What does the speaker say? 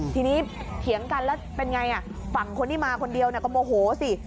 ทีนี้เถียงกันแล้วเป็นไงฝั่งคนที่มาคนเดียวก็โมโหสิ